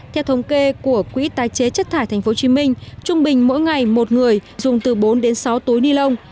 theo thống kê của quỹ tái chế chất thải tp hcm trung bình mỗi ngày một người dùng từ bốn đến sáu túi ni lông